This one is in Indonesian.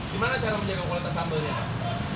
gimana cara menjaga kualitas sambalnya